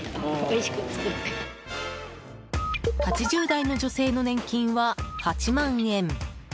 ８０代の女性の年金は８万円。